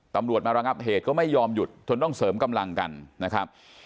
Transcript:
ตำรวจมาระงับเหตุก็ไม่ยอมหยุดจนต้องเสริมกำลังกันนะครับ